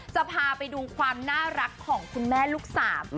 จะพาไปดูความน่ารักของคุณแม่ลูกสาม